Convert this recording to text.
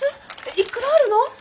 いくらあるの？